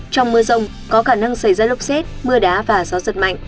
trong mưa rông có khả năng xảy ra lốc xét mưa đá và gió giật mạnh